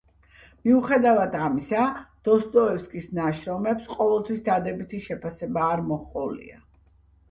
მიუხედავად ამისა, დოსტოევსკის ნაშრომებს ყოველთვის დადებითი შეფასება არ მოჰყოლია.